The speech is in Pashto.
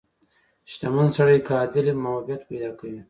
• شتمن سړی که عادل وي، محبوبیت پیدا کوي.